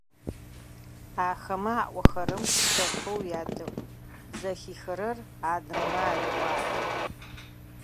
Ахэмэ аӏохэрэм шъэфэу ядэӏу, зэхихырэр адрэмэ ареӏуатэ.